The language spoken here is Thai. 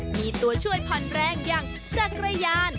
มีตัวช่วยผ่อนแรงอย่างจักรยาน